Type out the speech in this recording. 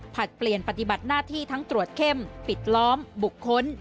เปลี่ยนปฏิบัติหน้าที่ทั้งตรวจเข้มปิดล้อมบุคคล